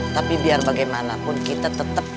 tapi biar bagaimanapun kita tetap